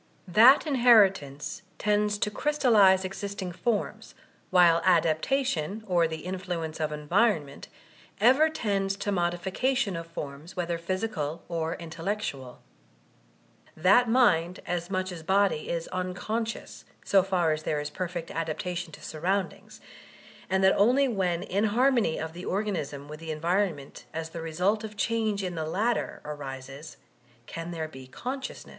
That inheritance tends to crystallize existing forms, while adaptation, or the influ ence of environment, ever tends to modification of forms, whether physical or intellectual That mind as much as body is unconscious, so far as there is perfect adapta tion to surroundings; and that only when inharmony of the organism with the environment as the result of change in the latter, arises, can there be co$uciontn€U.